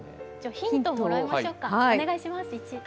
ヒントもらいましょうか。